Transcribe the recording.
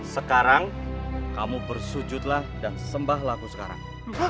sekarang kamu bersujudlah dan sembah laku sekarang